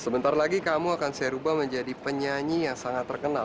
sebentar lagi kamu akan saya ubah menjadi penyanyi yang sangat terkenal